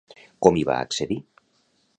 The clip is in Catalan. Com hi va accedir?